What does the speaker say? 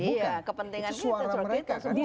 iya kepentingannya itu